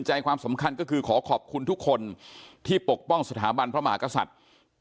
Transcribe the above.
ใจความสำคัญก็คือขอขอบคุณทุกคนที่ปกป้องสถาบันพระมหากษัตริย์